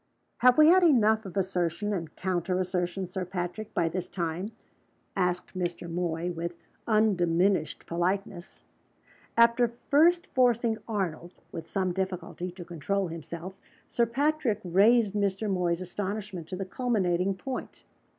"Have we had enough of assertion and counter assertion, Sir Patrick, by this time?" asked Mr. Moy, with undiminished politeness. After first forcing Arnold with some little difficulty to control himself, Sir Patrick raised Mr. Moy's astonishment to the culminating point.